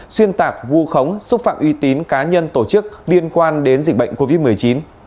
xuyên tạc vu khống xúc phạm uy tín cá nhân tổ chức liên quan đến dịch bệnh covid một mươi chín